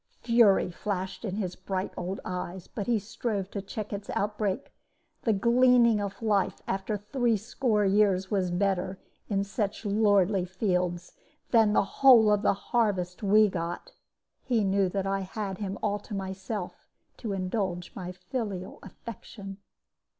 "Fury flashed in his bright old eyes, but he strove to check its outbreak. The gleaning of life, after threescore years, was better, in such lordly fields, than the whole of the harvest we got. He knew that I had him all to myself, to indulge my filial affection.